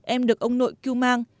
em được ông nội cứu mang